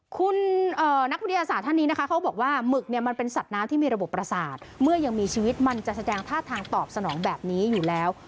คุณนักวิทยาศาสตร์ท่านนี้นะคะเขาบอกว่าหมึกเนี่ยมันเป็นสัตว์น้ำที่มีระบบประสาทเมื่อยังมีชีวิตมันจะแสดงท่าทางตอบสนองแบบนี้อยู่แล้ว